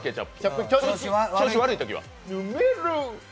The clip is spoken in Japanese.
調子が悪いときは？